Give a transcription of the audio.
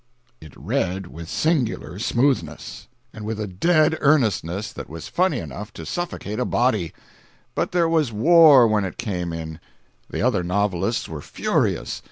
362.jpg (39K) It read with singular smoothness, and with a "dead" earnestness that was funny enough to suffocate a body. But there was war when it came in. The other novelists were furious.